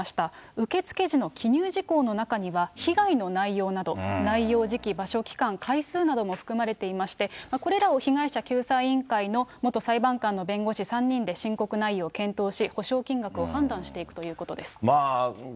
受け付け時の記入事項の中には、被害の内容など、内容、時期、場所、期間、回数なども含まれていまして、これらを被害者救済委員会の元裁判官の弁護士３人で申告内容を検討し、補償金額を判断していくということです。